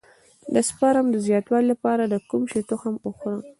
د سپرم د زیاتوالي لپاره د کوم شي تخم وخورم؟